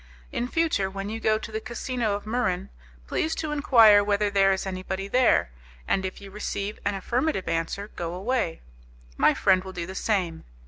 In future, when you go to the casino of Muran, please to enquire whether there is anybody there, and if you receive an affirmative answer, go away. My friend will do the same.